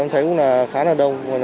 em thấy cũng khá là đông